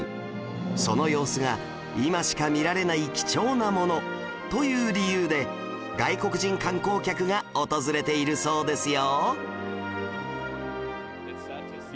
その様子が今しか見られない貴重なものという理由で外国人観光客が訪れているそうですよ